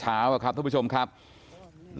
นางนาคะนี่คือยายน้องจีน่าคุณยายถ้าแท้เลย